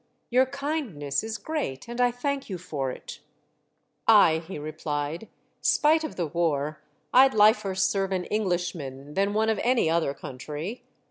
"Your kindness is great and I thank you for it," "Ay, he replied, "spite of the war I'd liefer serve an Englishman than one of any other country.